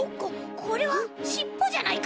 これはしっぽじゃないか！？